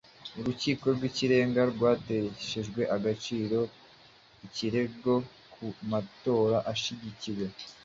Urukiko rw'ikirenga rwatesheje agaciro ikirego ku matora gishyigikiwe